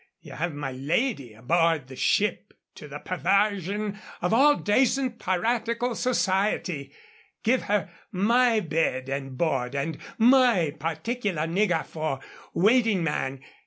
Ye have my lady aboard the ship to the pervarsion of all dacent piratical society, give her my bed and board, and my particular niggar for waiting man.